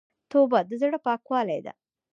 توبه د زړه پاکوالی ده.